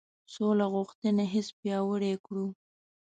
سوله غوښتنې حس پیاوړی کړو.